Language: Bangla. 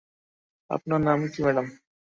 আপনার নাম কী, ম্যাডাম?